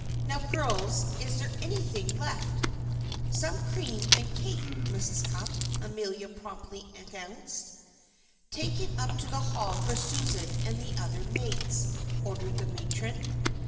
"Now, girls, is there anything left?" "Some cream and cake, Mrs. Cupp," Amelia promptly announced. "Take it up to the Hall for Susan and the other maids," ordered the matron.